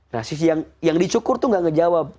nah si yang dicukur itu gak ngejawab